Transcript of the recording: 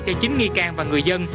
cho chính nghi can và người dân